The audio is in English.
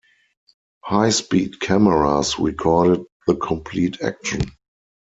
High-speed cameras recorded the complete action.